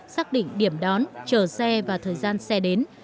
xác định điểm đón chờ xe và thời gian xe đến